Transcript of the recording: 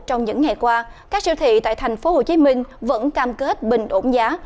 trong những ngày qua các siêu thị tại tp hcm vẫn cam kết bình ổn giá